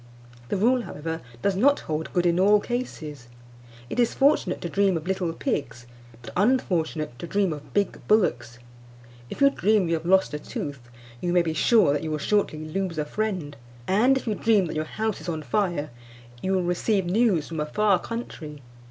The rule, however, does not hold good in all cases. It is fortunate to dream of little pigs, but unfortunate to dream of big bullocks. If you dream you have lost a tooth, you may be sure that you will shortly lose a friend; and if you dream that your house is on fire, you will receive news from a far country.